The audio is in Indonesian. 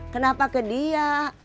kenapa ke dia